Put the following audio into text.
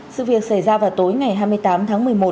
sự việc xảy ra vào tối ngày hai mươi tám tháng một mươi một